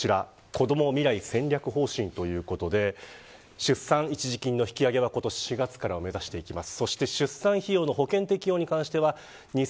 こども未来戦略方針ということで出産一時金の引き上げは今年４月から目指します。